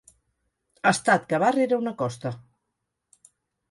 Estat que va rere una Costa.